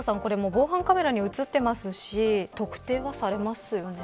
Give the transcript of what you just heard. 防犯カメラに映っていますし特定はされますよね。